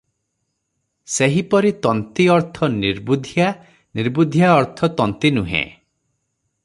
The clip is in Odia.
ସେହିପରି ତନ୍ତୀ ଅର୍ଥ ନିର୍ବୁଦ୍ଧିଆ, ନିର୍ବୁଦ୍ଧିଆ ଅର୍ଥ ତନ୍ତୀ ନୁହେଁ ।